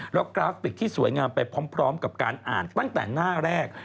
แล้วกราฟิกที่สวยงามไปพร้อมกับการอ่านตั้งแต่หน้าแรก